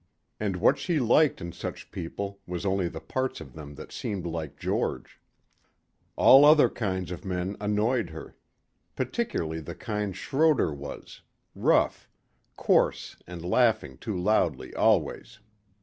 And what she liked in such people was only the parts of them that seemed like George. All other kinds of men annoyed her. Particularly the kind Schroder was rough, coarse and laughing too loudly always.